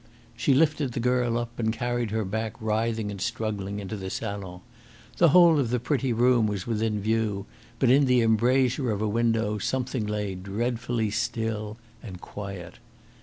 She lifted the girl up and carried her back writhing and struggling into the salon. The whole of the pretty room was within view, but in the embrasure of a window something lay dreadfully still and quiet.